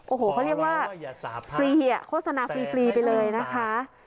โอ้โหเขาเรียกว่าฟรีโฆษณาฟรีไปเลยนะคะ